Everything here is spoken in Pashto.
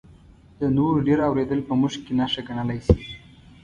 د نورو ډېر اورېدل په موږ کې نښه ګڼلی شي.